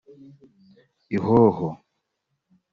Ihoho